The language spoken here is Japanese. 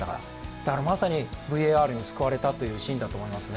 だから、まさにＶＡＲに救われたシーンだと思いますね。